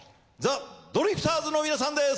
ザ・ドリフターズの皆さんです！